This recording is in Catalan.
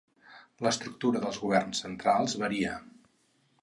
L'estructura dels governs centrals varia.